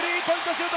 シュート！